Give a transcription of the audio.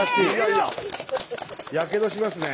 やけどしますね。